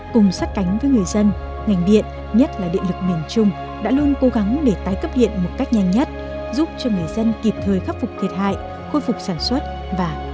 cùng sát cánh với người dân ngành điện nhất là địa lực miền trung đã luôn cố gắng để tái cấp hiện một cách nhanh nhất giúp cho người dân kịp thời khắc phục thiệt hại khôi phục sản xuất và ổn định cuộc sống